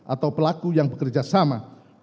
atau pelaku yang bekerja sama